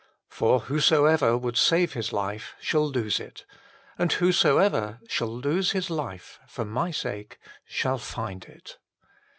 For whosoever would save his life shall lose it . and whosoever shall lose his life for My sake shall find it."